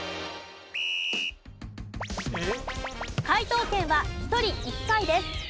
解答権は１人１回です。